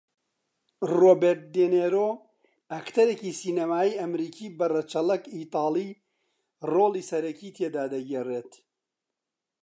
رۆبێرت دێنیرۆ ئەکتەری سینەمایی ئەمریکی بە رەچەڵەک ئیتاڵی رۆڵی سەرەکی تێدا دەگێڕێت